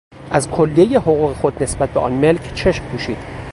از کلیهی حقوق خود نسبت به آن ملک چشم پوشید.